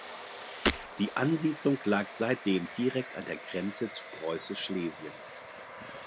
Die Ansiedlung lag seitdem direkt an der Grenze zu preußisch Schlesien.